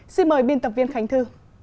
xin mời biên tập viên khánh thư